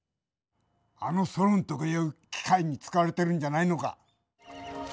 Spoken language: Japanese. あのソロンとかいう機械に使われてるんじゃないのか。